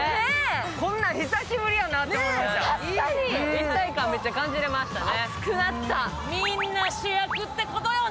立体感、めっちゃ感じれましたね。